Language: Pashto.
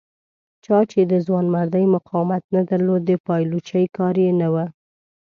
چا چې د ځوانمردۍ مقاومت نه درلود د پایلوچۍ کار یې نه و.